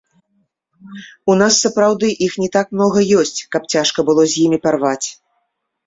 У нас сапраўды іх не так многа ёсць, каб цяжка было з імі парваць.